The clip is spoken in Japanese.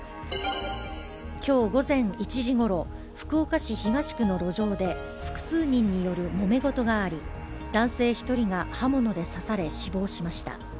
今日午前１時ごろ、福岡市東区の路上で複数人によるもめごとがあり、男性１人が刃物で刺され、死亡しました。